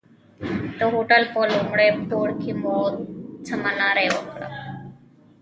د هوټل په لومړي پوړ کې مو سباناری وکړ.